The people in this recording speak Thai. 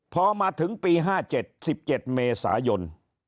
พอมาถึงปี๕๗๑๗เมษายน